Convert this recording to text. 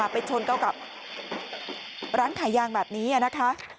ไปชนเข้ากับร้านขายยางแบบนี้นะคะ